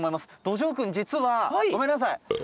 ドジョウ君実はごめんなさい。